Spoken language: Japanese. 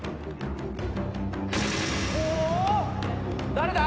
・誰だ？